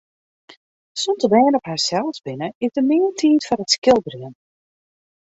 Sûnt de bern op harsels binne, is der mear tiid foar it skilderjen.